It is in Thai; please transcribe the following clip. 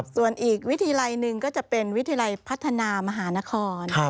ส่วนอีกวิทยาลัยหนึ่งก็จะเป็นวิทยาลัยพัฒนามหานคร